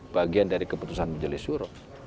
bagian dari keputusan majlis syuruh